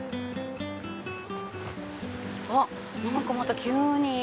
あっ何かまた急に。